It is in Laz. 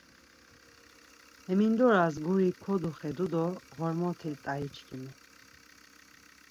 Hemindoras guri koduxedu do, Ğormoti tai çkimi!